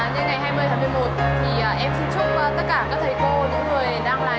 nên ngày hai mươi tháng một mươi một